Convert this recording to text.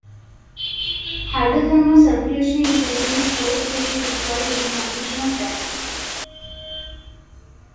Hydrothermal circulation is generally thought to be required in the formation of jasper.